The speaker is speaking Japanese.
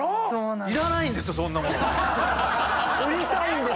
そうなんです。